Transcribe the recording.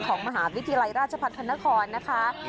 ของมหาวิทยาลัยราชพัฒนครนะคะ